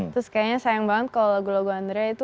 terus kayaknya sayang banget kalau lagu lagu andrea itu